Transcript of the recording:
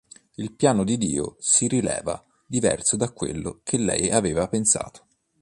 Il piano di Dio si rivela diverso da quello che lei aveva pensato.